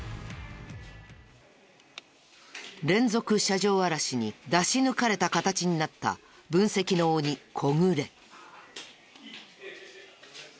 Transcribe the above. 連続車上荒らしに出し抜かれた形になった分析の鬼小暮。